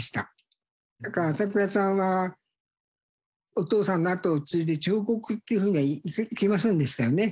だから朝倉さんはお父さんのあとを継いで彫刻っていうふうにはいきませんでしたよね。